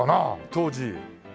当時。